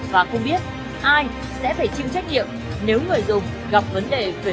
và không biết ai sẽ phải chịu trách nhiệm nếu người dùng gặp vấn đề về sức khỏe